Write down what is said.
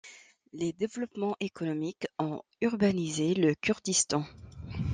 Les développements économiques ont urbanisé le Kurdistan.